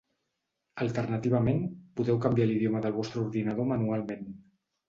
Alternativament, podeu canviar l’idioma del vostre ordinador manualment.